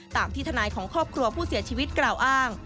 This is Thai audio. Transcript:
ตามที่ทนายของครอบครัวผู้เสียชีวิตกล่าวอ้าง